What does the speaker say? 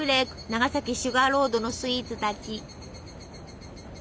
長崎シュガーロードのスイーツたち。